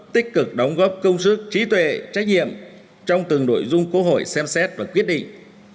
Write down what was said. tích cực đóng góp công sức trí tuệ trách nhiệm trong từng nội dung quốc hội xem xét và quyết định